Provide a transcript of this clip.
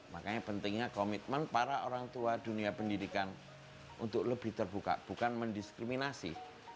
makanya pentingnya komitmen para orang tua dunia pendidikan untuk lebih terbuka bukan mendiskriminasi